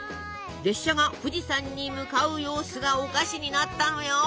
列車が富士山に向かう様子がお菓子になったのよ！